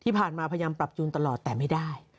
ที่ผ่านมาพยายามปรับยูงตลอดแต่ไม่ได้